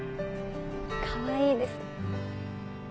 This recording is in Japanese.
かわいいです。